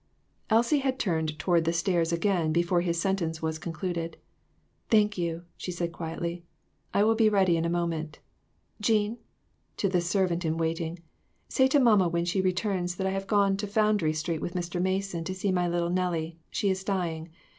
Elsie had turned toward the stairs again before his sentence was concluded. "Thank you," she said, quietly; "I will be ready in a moment. Jean," to the servant in waiting, "say to mamma when she returns that I have gone to Foundry Street with Mr. Mason to see my little Nellie; she is dying.